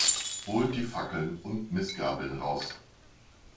Holt die Fackeln und Mistgabeln raus!